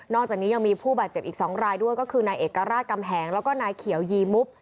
จากนี้ยังมีผู้บาดเจ็บอีก๒รายด้วยก็คือนายเอกราชกำแหงแล้วก็นายเขียวยีมุบ